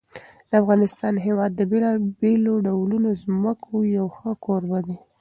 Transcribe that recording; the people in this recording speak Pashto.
د افغانستان هېواد د بېلابېلو ډولو ځمکو یو ښه کوربه دی.